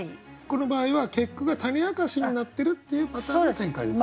この場合は結句が種明かしになってるっていうパターンの展開ですね。